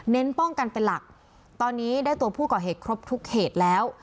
ป้องกันเป็นหลักตอนนี้ได้ตัวผู้ก่อเหตุครบทุกเหตุแล้ว